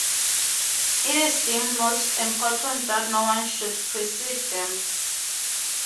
It is deemed most important that no one should precede them.